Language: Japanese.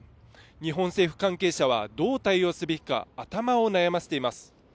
日本政府関係者はどう対応すべきか頭を悩ませています。